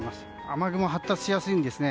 雨雲、発達しやすいんですね。